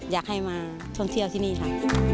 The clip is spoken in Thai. อยากให้มาท่องเที่ยวที่นี่ค่ะ